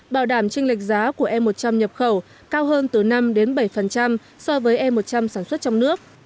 bảo đảm tranh lệch giá của e một trăm linh nhập khẩu cao hơn từ năm bảy so với e một trăm linh sản xuất trong nước